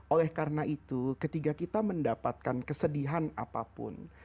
oleh karena itu ketika kita mendapatkan kesedihan apapun